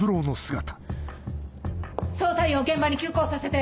捜査員を現場に急行させて！